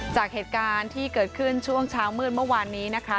จากเหตุการณ์ที่เกิดขึ้นช่วงเช้ามืดเมื่อวานนี้นะคะ